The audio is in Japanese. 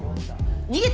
逃げた？